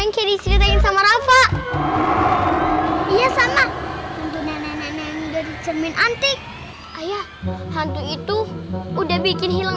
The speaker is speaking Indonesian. yang kiri kiri sama rafa iya sama cermin antik ayah hantu itu udah bikin hilang